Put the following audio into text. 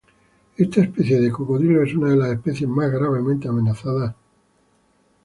Esta especie de cocodrilo es una de las especies más gravemente amenazadas alrededor.